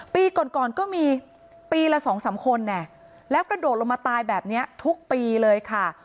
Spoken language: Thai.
ปีก่อนก่อนก็มีปีละ๒๓คนแล้วกระโดดลงมาตายแบบนี้ทุกปีเลยค่ะ